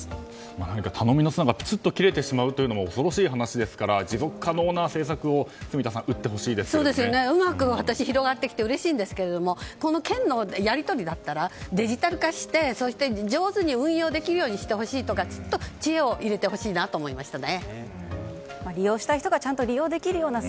何か頼みの綱が切れてしまうのも恐ろしい話ですから持続可能な政策をうまく広がってきてうれしいんですけれども券のやり取りだったらデジタル化して、そして上手に運用できるようにしてほしいとか所長「特茶」ってちょっと高いですよね